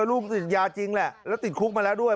ลูกติดยาจริงแหละแล้วติดคุกมาแล้วด้วย